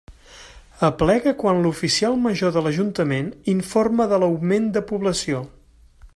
Aplega quan l'oficial major de l'ajuntament informa de l'augment de població.